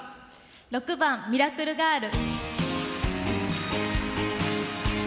６番「ミラクル・ガール」。